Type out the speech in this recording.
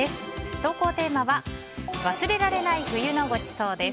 投稿テーマは忘れられない冬のごちそうです。